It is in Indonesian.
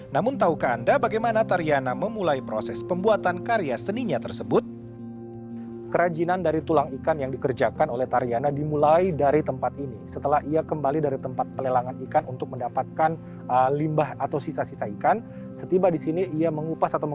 namun tahukah anda bagaimana tariana memulai proses pembuatan karya seninya tersebut